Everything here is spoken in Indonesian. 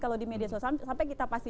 kalau di media sosial sampai kita pasti